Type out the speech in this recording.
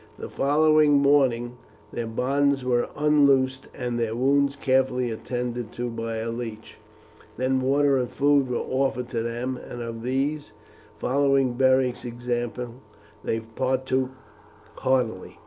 The following morning their bonds were unloosed, and their wounds carefully attended to by a leech. Then water and food were offered to them, and of these, following Beric's example, they partook heartily.